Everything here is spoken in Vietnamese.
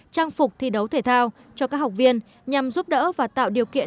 đấu thể thao cho các học viên nhằm giúp đỡ và tạo điều kiện